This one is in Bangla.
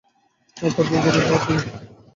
আর তারপর গরুর খাবার দিবে।